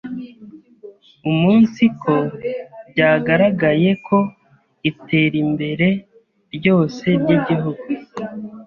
umunsiko byagaragaye ko iterimbere ryose ry’Igihugu